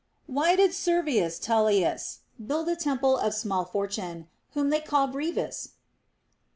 Why did Servius Tullius build a temple of Small Fortune, whom they call Brevis